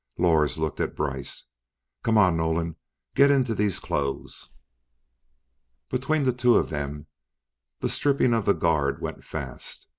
Lors looked at Brice. "Come on, Nolan. Get into these clothes!" Between the two of them, the stripping of the guard was fast.